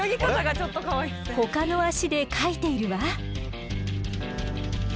ほかの足でかいているわ。